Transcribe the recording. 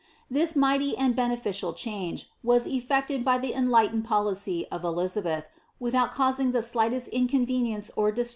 * This mighty and beneficial change, was effected by the enlightened policy of ^izabeih, without causing the slightest inconvenience or dia ■O>bom< I of Elinbelh.